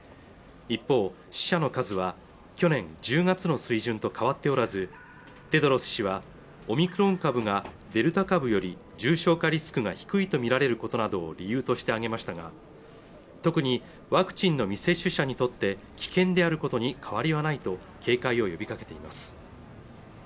一方死者の数は去年１０月の水準と変わっておらずテドロス氏はオミクロン株がデルタ株より重症化リスクが低いと見られることなどを理由として挙げましたが特にワクチンの未接種者にとって危険であることに変わりはないと警戒を呼びかけています